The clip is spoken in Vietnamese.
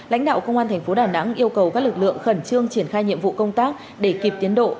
lãnh đạo công an thành phố đà nẵng yêu cầu các lực lượng khẩn trương triển khai nhiệm vụ công tác để kịp tiến độ